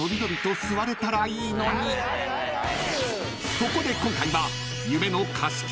［そこで今回は］